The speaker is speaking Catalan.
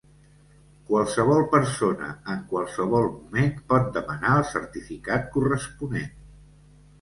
Qualsevol persona, en qualsevol moment, pot demanar el certificat corresponent.